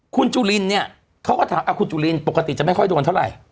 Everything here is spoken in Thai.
คุณจุลินเนี่ยเขาก็ถามคุณจุลินปกติจะไม่ค่อยโดนเท่าไหร่